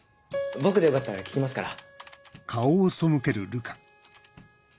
僕でよかったら聞きますから。